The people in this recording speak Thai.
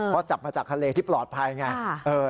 เพราะจับมาจากทะเลที่ปลอดภัยไง